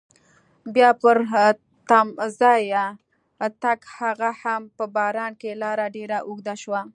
بیا تر تمځایه تګ هغه هم په باران کې لاره ډېره اوږده شوه.